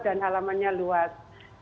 dan halamannya luas